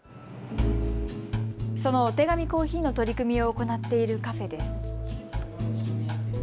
そのお手紙コーヒーの取り組みを行っているカフェです。